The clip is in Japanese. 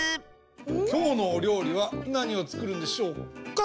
きょうのおりょうりはなにをつくるんでしょうか？